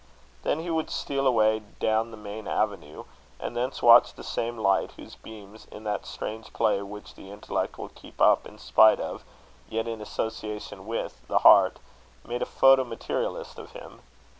Then he would steal away down the main avenue, and thence watch the same light, whose beams, in that strange play which the intellect will keep up in spite of yet in association with the heart, made a photo materialist of him.